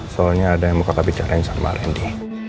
soalnya ada yang mau kata bicarain sama randy